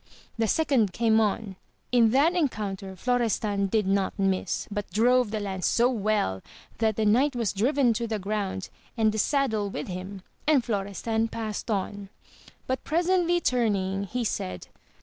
The second came on, in th'at encounter Florestan did not miss, but drove the lance so well that the knight was driven to the ground and the saddle with him, and Florestan passed on. But presently turning he said.